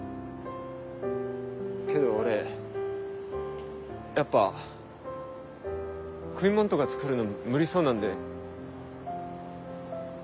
けど俺やっぱ食いもんとか作るの無理そうなんで。